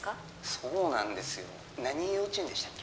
そうなんですよ何幼稚園でしたっけ？